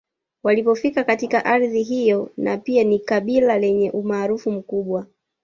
Walipofika katika ardhi hiyo na pia ni kabila lenye umaarufu mkubwa